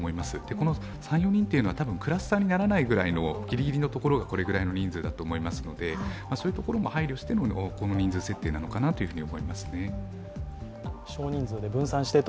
この３４人というのはクラスターにならないぐらいのギリギリのところがこれぐらいの人数だと思いますのでそのことも配慮してのこのぐらいの人数設定なのかなと思います。